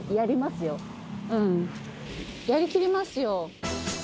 やりきりますよ。